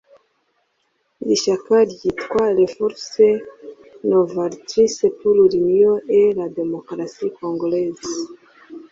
Iri shyaka ryitwa “Les Forces Novatrices pour l’Union et la Democratie Congolaise”